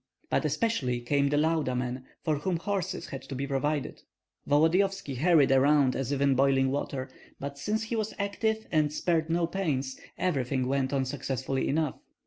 But especially came the Lauda men, for whom horses had to be provided. Volodyovski hurried around as if in boiling water; but since he was active and spared no pains, everything went on successfully enough.